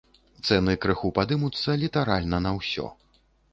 Цэны крыху падымуцца літаральна на ўсё.